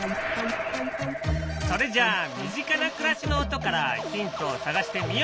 それじゃあ身近な暮らしの音からヒントを探してみよう！